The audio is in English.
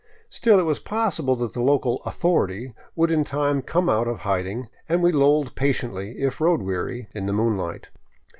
Still, it was possible that the local " authority " would in time come out of hiding, and we lolled patiently, if road weary, in the moonlight.